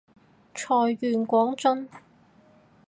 財源廣進